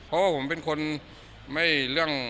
เพราะว่าผมเป็นคนไม่เรื่อง